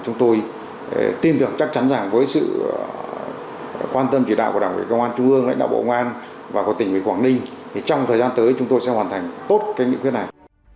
chúng tôi tin tưởng chắc chắn rằng với sự quan tâm chỉ đạo của đảng quỹ công an trung ương đảng bộ công an và của tỉnh quảng ninh trong thời gian tới chúng tôi sẽ hoàn thành tốt cái nghị quyết này